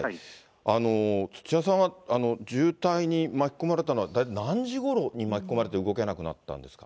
土屋さんは渋滞に巻き込まれたのは、何時ごろに巻き込まれて動けなくなったんですか。